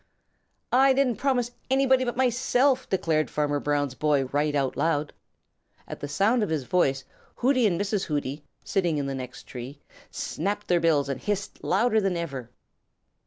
"I didn't promise anybody but myself," declared Farmer Brown's boy right out loud. At the sound of his voice, Hooty and Mrs. Hooty, sitting in the next tree, snapped their bills and hissed louder than ever.